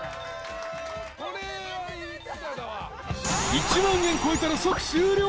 ［１万円超えたら即終了。